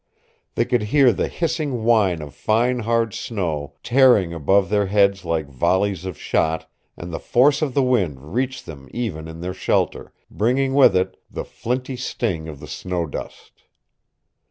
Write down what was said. They could hear the hissing whine of fine hard snow tearing above their heads like volleys of shot, and the force of the wind reached them even in their shelter, bringing with it the flinty sting of the snow dust.